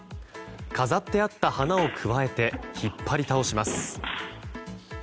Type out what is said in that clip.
飾ってあった花をくわえて引っ張り倒します。